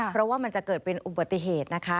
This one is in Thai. เพราะว่ามันจะเกิดเป็นอุบัติเหตุนะคะ